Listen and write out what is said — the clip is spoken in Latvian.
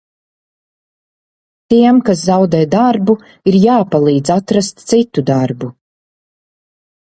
Tiem, kas zaudē darbu, ir jāpalīdz atrast citu darbu.